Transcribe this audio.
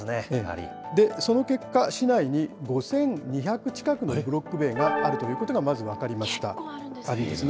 その結果、市内に５２００近くのブロック塀があるということがまず分かりま結構あるんですね。